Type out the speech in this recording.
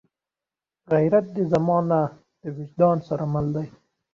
غیرت د زمان نه، د وجدان سره مل دی